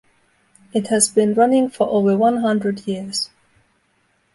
It has been running for over one hundred years.